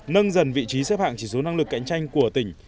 nâng dần vị trí xếp hạng chỉ số năng lực cạnh tranh của tỉnh